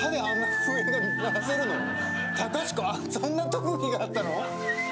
隆子そんな特技があったの？